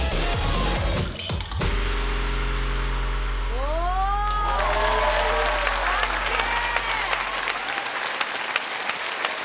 お！かっけえ！